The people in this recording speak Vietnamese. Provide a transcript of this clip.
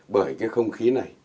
bởi cái không khí này